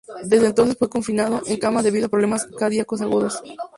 Desde entonces fue confinado en cama debido a problemas cardiacos agudos.